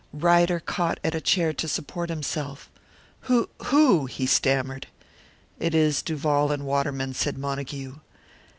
Ryder caught at a chair to support himself. "Who? Who?" he stammered. "It is Duval and Waterman," said Montague.